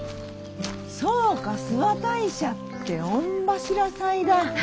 そうか諏訪大社って御柱祭だ。